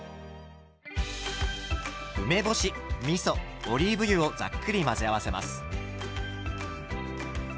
梅干しみそオリーブ油をざっくり混ぜ合わせます。